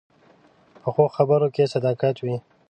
پخو خبرو کې صداقت وي